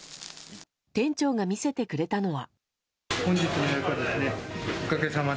店長が見せてくれたのは。